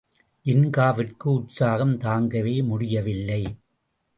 ஜின்காவிற்கு உற்சாகம் தாங்கவே முடியவில்லை.